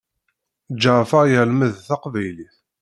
Ǧeɛfer yelmed taqbaylit.